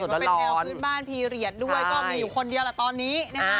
ว่าเป็นแนวพื้นบ้านพีเรียสด้วยก็มีอยู่คนเดียวแหละตอนนี้นะฮะ